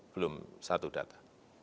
belum satu data